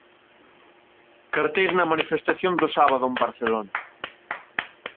Carteis na manifestación do sábado en Barcelona.